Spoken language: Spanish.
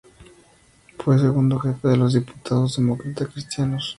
Fue segundo jefe de los diputados Demócrata Cristianos.